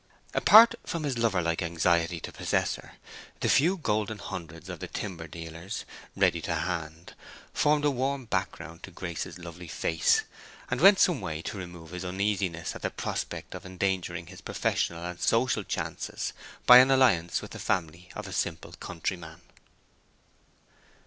Apart from his lover like anxiety to possess her, the few golden hundreds of the timber dealer, ready to hand, formed a warm background to Grace's lovely face, and went some way to remove his uneasiness at the prospect of endangering his professional and social chances by an alliance with the family of a simple countryman.